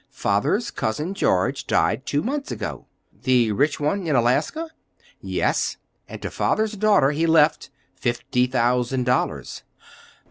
Father's Cousin George died two months ago." "The rich one, in Alaska?" "Yes; and to father's daughter he left—fifty thousand dollars."